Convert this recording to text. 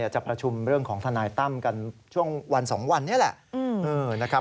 จะประชุมเรื่องของทนายตั้มกันช่วงวัน๒วันนี้แหละ